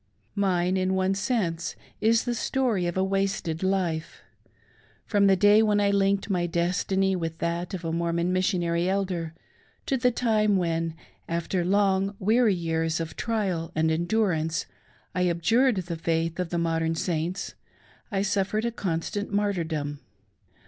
Mine, in one sense, is the story of a wasted life. From the day when I linked my destiny with that of a Mormon Mis sioHiiry Elder, to the time when, after long weary years of trial and endurance, I abjured the faith of the modern Saints, I suffered a constant martyrdom.